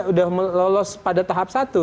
udah melolos pada tahap satu